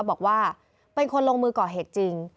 บอกว่าเป็นคนลงมือก่อเหตุจริง